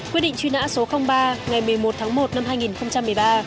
quyết định truy nã số ba ngày một mươi một tháng một năm hai nghìn một mươi ba